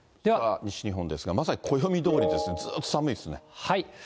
西日本ですが、まさに暦どおりですね、ずっと寒いですね。